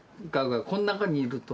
こん中にいると。